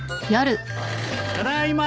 ただいま！